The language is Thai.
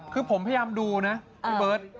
คือผมพยายามดูนะพี่เบิร์ต